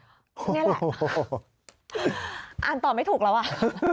นี่แหละอ่านตอบไม่ถูกแล้วอ่ะ